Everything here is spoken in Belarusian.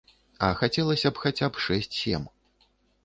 А хацелася б хаця б шэсць-сем.